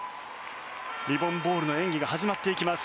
リボン・ボールの演技が始まっていきます。